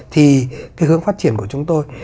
thì cái hướng phát triển của chúng tôi